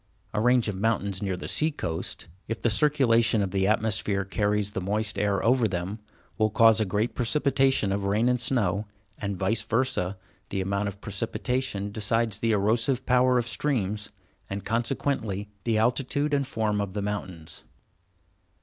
A range of mountains near the sea coast, if the circulation of the atmosphere carries the moist air over them, will cause a great precipitation of rain and snow, and, vice versa, the amount of precipitation decides the erosive power of streams, and consequently, the altitude and form of the mountains.